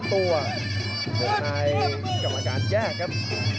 สมมติว่าลูกนายกรรมการแยกครับ